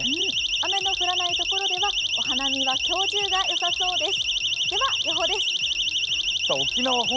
雨の降らないところでは、お花見は今日中がよさそうです。